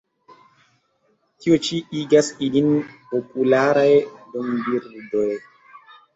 Tio ĉi igas ilin popularaj dombirdoj.